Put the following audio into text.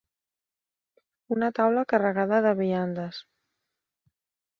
Una taula carregada de viandes.